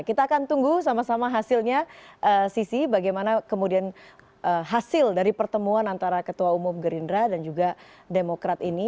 kita akan tunggu sama sama hasilnya sisi bagaimana kemudian hasil dari pertemuan antara ketua umum gerindra dan juga demokrat ini